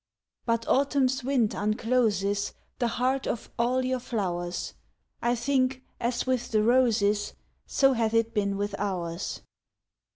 But autumn's wind uncloses The heart of all your flowers, I think as with the roses, So hath it been with ours.